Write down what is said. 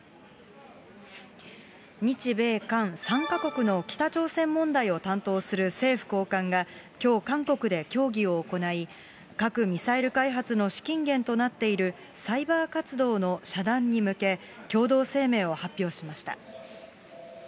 日米韓３か国の北朝鮮問題を担当する政府高官が、きょう、韓国で協議を行い、核・ミサイル開発の資金源となっているサイバー活動の遮断に向け、共同声明を発表しました。